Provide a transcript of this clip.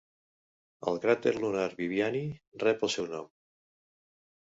El cràter lunar Viviani rep el seu nom.